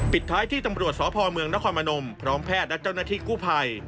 ท้ายที่ตำรวจสพเมืองนครพนมพร้อมแพทย์และเจ้าหน้าที่กู้ภัย